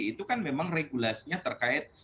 itu kan memang regulasinya terkait dengan kepiri